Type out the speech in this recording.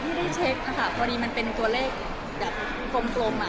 ไม่ได้เช็คนะคะพอดีมันเป็นตัวเลขกลม